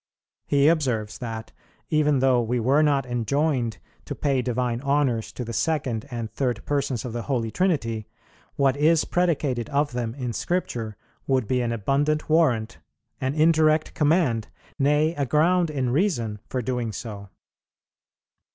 He observes that, even though we were not enjoined to pay divine honours to the Second and Third Persons of the Holy Trinity, what is predicated of Them in Scripture would be an abundant warrant, an indirect command, nay, a ground in reason, for doing so.